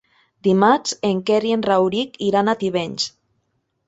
Dimarts en Quer i en Rauric iran a Tivenys.